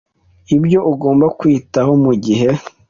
Ibyo ugomba kwitaho mu gihe